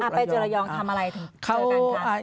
ไปเจอระยองทำอะไรถึงเจอกันค่ะ